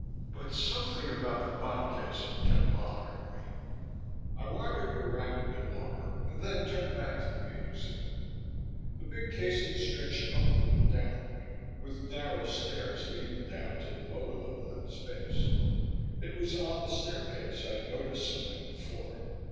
But something about the bomb casing kept bothering me. I wandered around a bit longer and then turned back to the main exhibit. The big casing stretched upward and downward, with narrow stairs leading down to the lower level at its base. It was on the staircase I'd noticed something before.